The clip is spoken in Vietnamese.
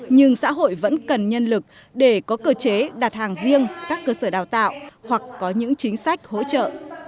nhưng xã hội vẫn cần nhân lực để có cơ chế đặt hàng riêng các cơ sở đào tạo hoặc có những chính sách hỗ trợ